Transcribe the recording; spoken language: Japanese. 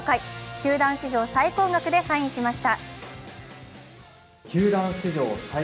球団史上最高額でサインしました。